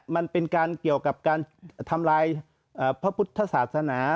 มันเป็นการเกี่ยวกับการทำลายพระพุทธศาสนา